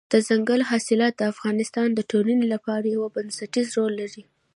دځنګل حاصلات د افغانستان د ټولنې لپاره یو بنسټيز رول لري.